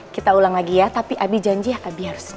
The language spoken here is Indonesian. kita ulang lagi ya tapi abi janji ya abi harus